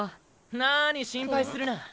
なに心配するな。